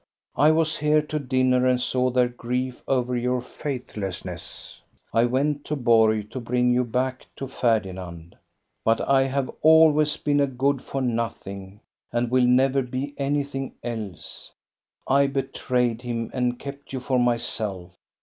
I was here to dinner and saw their grief over your faithlessness. I went to Borg to bring you back to Ferdinand. But I have always been a good for nothing, and will never be anything else. I betrayed him, and kept you for myself.